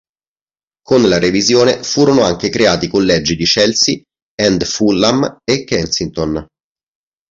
Con la revisione, furono anche creati i collegi di Chelsea and Fulham e Kensington.